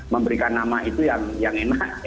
memberikan nama itu yang enak